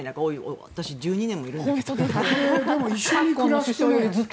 私、１２年もいるんだぞって。